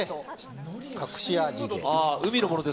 隠し味で。